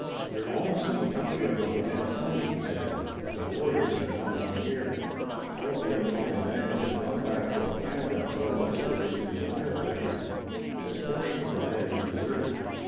"We're almost in the country of the Hodenosaunee," he said, "but the warriors have not been here. All of the outlying bands have gone back toward Canada or westward into the Ohio country. This portion of the land is deserted."